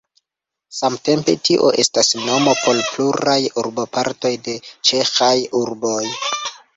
Samtempe tio estas nomo por pluraj urbopartoj de ĉeĥaj urboj.